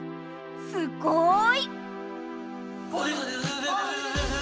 すごい！